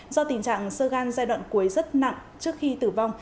do tình trạng sơ gan giai đoạn cuối rất nặng trước khi tử vong